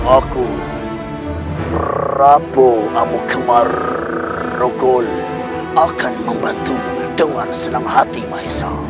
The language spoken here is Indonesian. aku rabu amu kemarugul akan membantumu dengan selam hati maiso